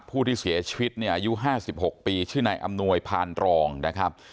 ผู้ที่เสียชีวิตเนี้ยอายุห้าสิบหกปีชื่อไหนอำนวยพาร์ได้ครับ